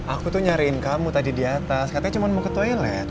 aku tuh nyariin kamu tadi di atas katanya cuma mau ke toilet